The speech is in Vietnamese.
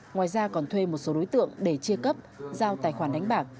ngoài ra còn thuê một số đối tượng để chia cấp giao tài khoản đánh bạc